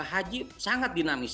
haji sangat dinamis